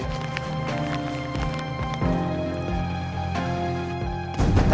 ternyata itu gohongin dia